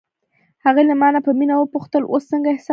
هغې له مانه په مینه وپوښتل: اوس څنګه احساس کوې؟